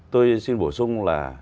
tôi xin bổ sung là